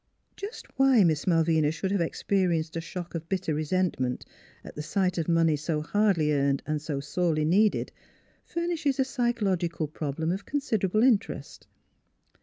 Just why Miss Malvina should have experienced a shock of bitter resentment at sight of money so hardly earned and so sorely needed furnishes a psycho logical problem of considerable interest.